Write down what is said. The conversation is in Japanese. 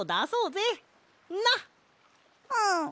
うん。